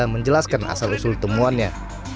menjelaskan asal usul temuannya